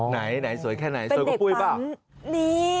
ไหนสวยแค่ไหนสวยกว่าปุ้ยเปล่า